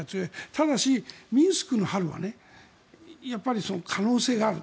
ただしミンスクの春はやっぱり可能性がある。